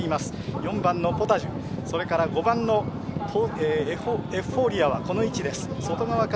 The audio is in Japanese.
４番ポタジェ５番エフフォーリアはこの位置です。